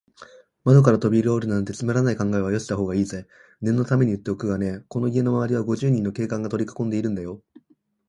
窓からとびおりるなんて、つまらない考えはよしたほうがいいぜ。念のためにいっておくがね、この家のまわりは、五十人の警官がとりかこんでいるんだよ。